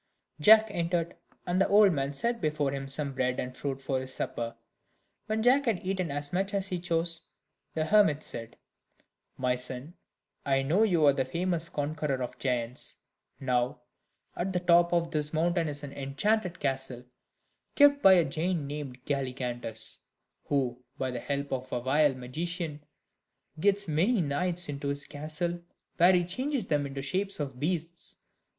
Jack entered, and the old man set before him some bread and fruit for his supper. When Jack had eaten as much as he chose, the hermit said: "My son, I know you are the famous conqueror of giants; now, at the top of this mountain is an enchanted castle, kept by a giant named Galligantus, who, by the help of a vile magician, gets many knights into his castle, where he changes them into the shape of beasts.